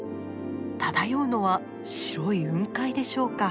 漂うのは白い雲海でしょうか。